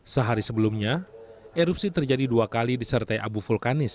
sehari sebelumnya erupsi terjadi dua kali disertai abu vulkanis